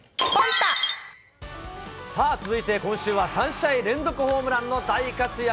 さあ、続いて今週は３試合連続ホームランの大活躍。